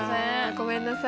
ごめんなさい。